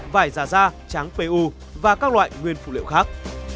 vải giả da tráng pu và các loại nguyên phụ liệu khác